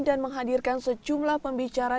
dan menghadirkan sejumlah pembicara